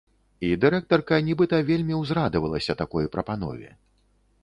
І дырэктарка нібыта вельмі ўзрадавалася такой прапанове.